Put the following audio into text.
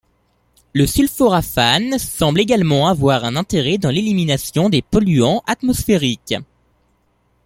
Le sulforaphane semble également avoir un intérêt dans l'élimination des polluants atmosphériques.